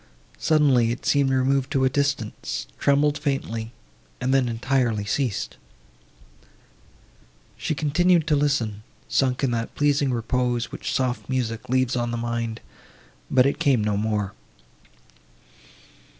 Suddenly, it seemed removed to a distance, trembled faintly, and then entirely ceased. She continued to listen, sunk in that pleasing repose, which soft music leaves on the mind—but it came no more.